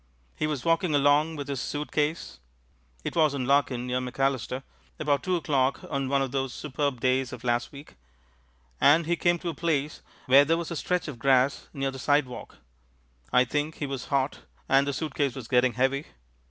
He was walking along with this suit case it was on Larkin near McAllister about two o'clock on one of those superb days of last week and he came to a place where there was a stretch of grass near the sidewalk. I think he was hot and the suit case was getting heavy....